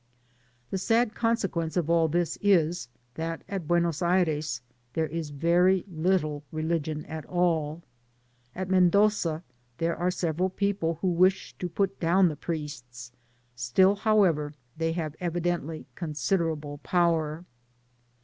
The sad consequence of all this is, that at Buenos Digitized byGoogk OF THB PAMPAS. 27 Aires there is very litUe religion at alL At Men doza there are several people who wish to put down the priests; still, however, they have evidently con^ siderable power.